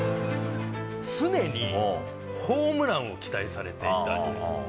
常にホームランを期待されていたじゃないですか。